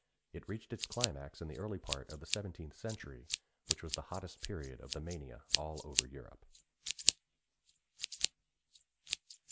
It reached its climax in the early part of the seventeenth century, which was the hottest period of the mania all over Europe.